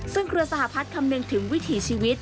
ซึ่งเครือสหพัฒน์คำนึงถึงวิถีชีวิต